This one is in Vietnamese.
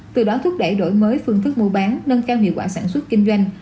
từ đó thúc đẩy đổi mới phương thức mua bán nâng cao hiệu quả sản xuất kinh doanh